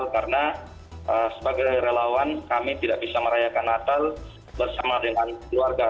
karena sebagai relawan kami tidak bisa merayakan natal bersama dengan keluarga